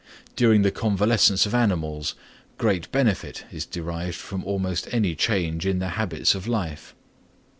During the convalescence of animals, great benefit is derived from almost any change in their habits of life.